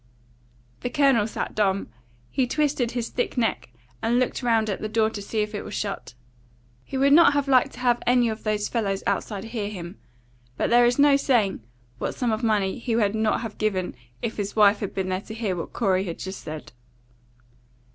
The Colonel sat dumb. He twisted his thick neck, and looked round at the door to see if it was shut. He would not have liked to have any of those fellows outside hear him, but there is no saying what sum of money he would not have given if his wife had been there to hear what Corey had just said.